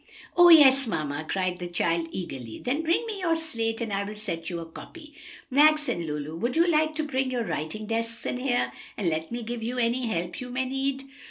"Oh, yes, mamma!" cried the child eagerly. "Then bring me your slate, and I will set you a copy. Max and Lulu, would you like to bring your writing desks in here, and let me give you any help you may need?"